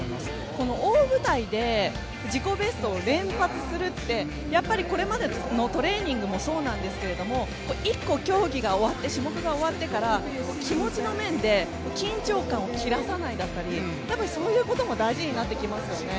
この大舞台で自己ベストを連発するってこれまでのトレーニングもそうなんですけれども１個競技が終わって種目が終わってから気持ちの面で緊張感を切らさないだったりそういうことも大事になってきますかね。